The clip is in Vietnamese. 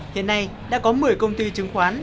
hiện nay đã có một mươi công ty chứng khoán